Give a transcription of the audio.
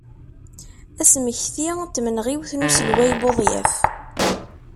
Asmekti n tmenɣiwt n uselway Buḍyaf.